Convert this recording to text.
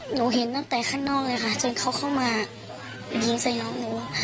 เห็นตั้งแต่ข้างนอกเลยค่ะจนเขาเข้ามายิงใส่น้องหนู